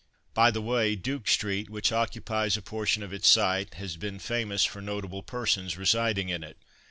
By the way, Duke street, which occupies a portion of its site, has been famous for notable persons residing in it.